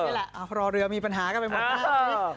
รอเรือมีปัญหากันไปหมด